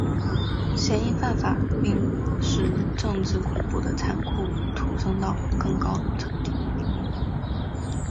嫌疑犯法令使政治恐怖的残酷陡升到更高的层级。